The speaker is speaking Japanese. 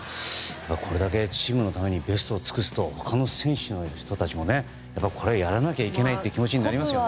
これだけチームのためにベストを尽くすと他の選手もこれはやらなきゃいけないという気持ちになりますよね。